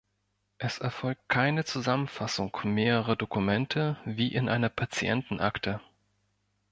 Es erfolgt keine Zusammenfassung mehrerer Dokumente wie in einer Patientenakte.